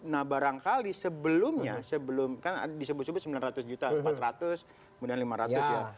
nah barangkali sebelumnya sebelum kan disebut sebut sembilan ratus juta empat ratus kemudian lima ratus ya